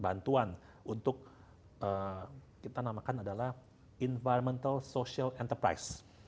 bantuan untuk kita namakan adalah environmental social enterprise